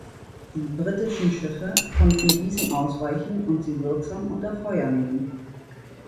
Die britischen Schiffe konnten diesen ausweichen und sie wirksam unter Feuer nehmen.